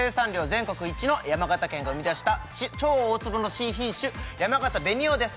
全国一の山形県が生み出した超大粒の新品種やまがた紅王です